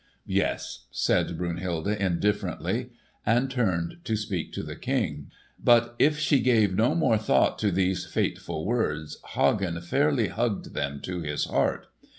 "Yes," said Brunhilde indifferently, and turned to speak to the King. But if she gave no more thought to these fateful words, Hagen fairly hugged them in his heart.